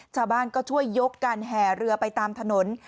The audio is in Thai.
ชาวบ้านก็ช่วยยกกันแห่เรือไปตามถนน